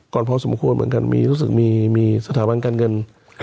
ก่อนพร้อมสมควรเหมือนกันมีสถาบันการเงิน